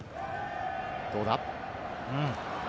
どうだ？